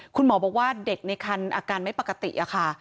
คุณหมอบอกว่าเด็กในคันอาการไม่ปกติอะค่ะ